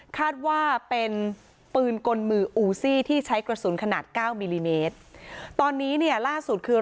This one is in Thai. คาดว่าเป็นปืนกลมืออูซี่ที่ใช้กระสุนขนาดเก้ามิลลิเมตรตอนนี้เนี่ยล่าสุดคือ